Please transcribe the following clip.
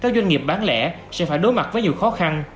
các doanh nghiệp bán lẻ sẽ phải đối mặt với nhiều khó khăn